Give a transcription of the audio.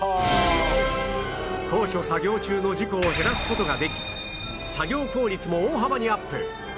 高所作業中の事故を減らす事ができ作業効率も大幅にアップ